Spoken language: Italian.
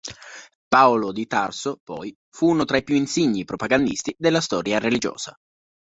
Paolo di Tarso, poi, fu uno tra i più "insigni" propagandisti della storia religiosa.